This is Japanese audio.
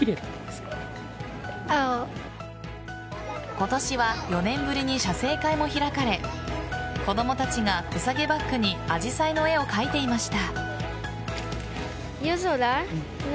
今年は４年ぶりに写生会も開かれ子供たちが、手さげバックにアジサイの絵を描いていました。